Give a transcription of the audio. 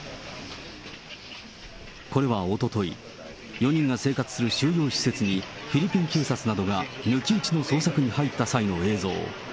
これはおととい、４人が生活する収容施設に、フィリピン警察などが抜き打ちの捜索に入った際の映像。